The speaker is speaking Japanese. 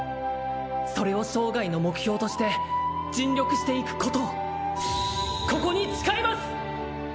それを生涯の目標として尽力していくことをここに誓います！